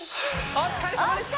お疲れさまでした！